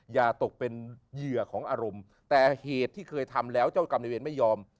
อย่าตกเป็นเหยื่อของอารมณ์แต่เหตุที่เคยทำแล้วเจ้ากรรมในเวรไม่ยอม